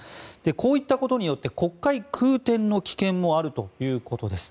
こういったことによって国会空転の危険もあるということです。